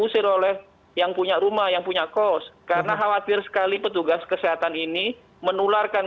usir oleh yang punya rumah yang punya kos karena khawatir sekali petugas kesehatan ini menularkan